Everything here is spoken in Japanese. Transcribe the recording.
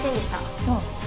そう。